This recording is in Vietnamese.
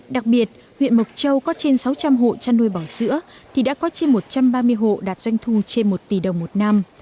đặc biệt huyện mộc châu có trên sáu trăm linh hộ chăn nuôi bò sữa thì đã có trên một trăm ba mươi hộ đạt doanh thu trên một tỷ đồng một năm